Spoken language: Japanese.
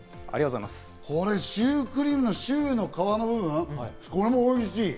これシュークリームのシューの皮の部分、そこもおいしい！